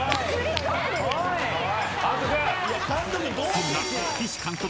［そんな］